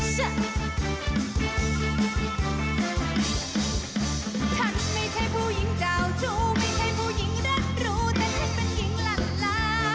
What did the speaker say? ฉันไม่ใช่ผู้หญิงเจ้าชู้ไม่ใช่ผู้หญิงรักรู้แต่ฉันเป็นหญิงหลังลา